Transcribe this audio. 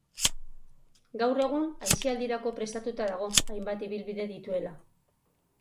Gaur egun, aisialdirako prestatua dago, hainbat ibilbide dituela.